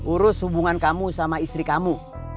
urus hubungan kamu sama istri kamu